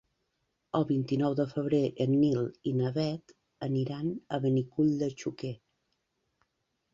El vint-i-nou de febrer en Nil i na Bet aniran a Benicull de Xúquer.